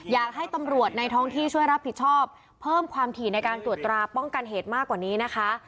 อยากให้ตำรวจในท้องที่ช่วยรับผิดชอบเพิ่มความถี่ในการตรวจตราป้องกันเหตุมากกว่านี้นะคะ